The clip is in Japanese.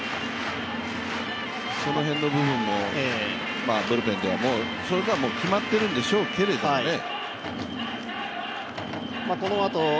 その辺の部分もブルペンでそれは決まっているんでしょうけどね。